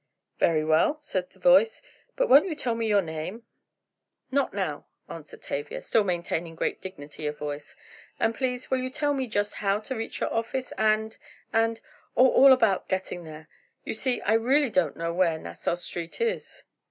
"Very well," said the voice, "but won't you tell me your name?" "Not now," answered Tavia, still maintaining great dignity of voice, "and please, will you tell me just how to reach your office—and—and, oh, all about getting there. You see, I really don't know where Nassau Street is."